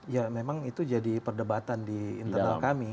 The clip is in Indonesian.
ya memang itu jadi perdebatan di internal kami